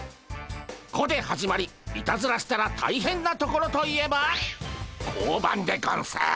「こ」で始まりいたずらしたらたいへんな所といえば交番でゴンス。